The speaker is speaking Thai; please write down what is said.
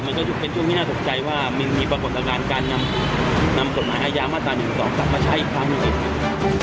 มันก็เป็นช่วงที่น่าสนใจว่ามีปรากฏจากการการนำกฎหมายอายามาต่อ๑๒ใต้มาใช้อีกครั้งหนึ่ง